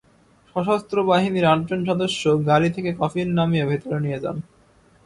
সশস্ত্র বাহিনীর আটজন সদস্য গাড়ি থেকে কফিন নামিয়ে ভেতরে নিয়ে যান।